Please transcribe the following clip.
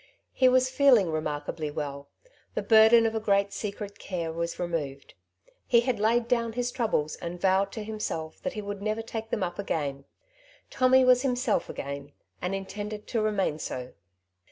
He was feeling remarkably well. The burden of a great secret care was removed. He had laid down his troubles, and vowed to himself that he would never take them up again. Tommy was himself again, and intended to remain so.